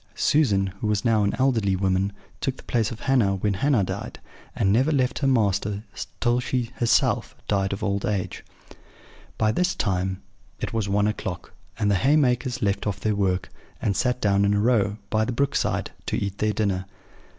Susan, who was now an elderly woman, took the place of Hannah when Hannah died, and never left her master till she herself died of old age." By this time it was one o'clock; and the haymakers left off their work, and sat down in a row, by the brook side, to eat their dinner.